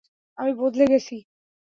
আমি বদলে গেছি।